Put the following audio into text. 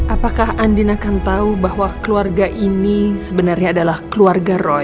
apakah andin akan tahu bahwa keluarga ini sebenarnya adalah keluarga roy